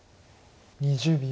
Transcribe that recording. ２０秒。